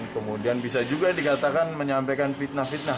kemudian bisa juga dikatakan menyampaikan fitnah fitnah